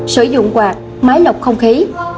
sử dụng quạt máy lọc không khí